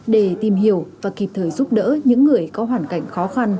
để tìm hiểu và kịp thời giúp đỡ những người có hoàn cảnh khó khăn